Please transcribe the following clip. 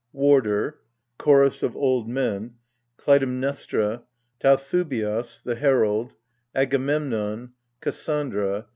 Warder. Chokos of Old Men. Klutaimnestra. Talthubios, Herald. Agamemnon. Kassandra.